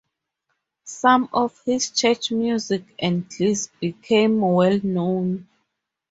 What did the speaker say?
Some of his church music and glees became well-known.